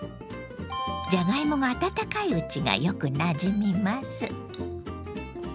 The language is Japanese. じゃがいもが温かいうちがよくなじみます。